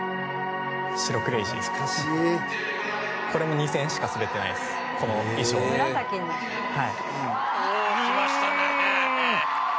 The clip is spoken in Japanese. これも２戦しか滑ってないです、この衣装は。